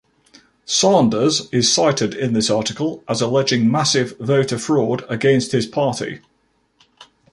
Sanders is cited in this article as alleging massive voter fraud against his party.